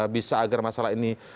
bisa agar masalah ini